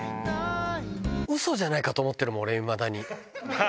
うそじゃないかと思ってるもん、俺、いまだに。